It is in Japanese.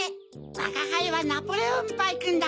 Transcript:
わがはいはナポレオンパイくんだ。